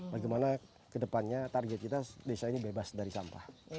bagaimana kedepannya target kita desa ini bebas dari sampah